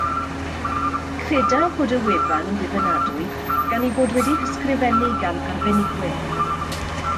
Credaf fod y wefan yn ddibynadwy gan ei bod wedi'i hysgrifennu gan arbenigwyr